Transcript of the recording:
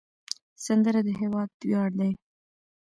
سندره د هیواد ویاړ دی